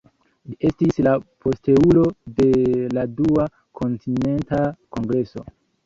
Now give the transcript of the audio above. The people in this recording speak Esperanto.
Ĝi estis la posteulo de la Dua Kontinenta Kongreso.